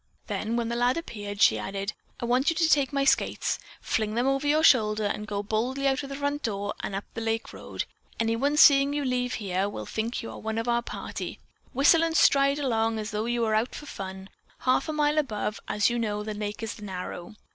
Then, when the lad appeared, she added: "I want you to take my skates, fling them over your shoulder, and go boldly out of the front door and up the lake road. Anyone, seeing you leave here, will think you are one of our party. Whistle and stride along as though you were out for fun. Half a mile above, as you know, the lake is narrow.